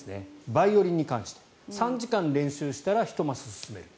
バイオリンに関して３時間練習したら１マス進める。